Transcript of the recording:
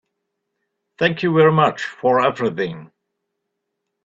Thank you very much for everything.